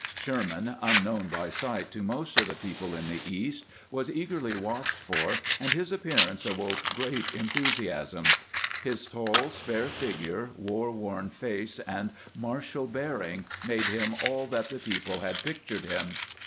Sherman, unknown by sight to most of the people in the East, was eagerly watched for, and his appearance awoke great enthusiasm. His taU, spare figure, war worn face, and martial bearing made him all that the people had pictured him.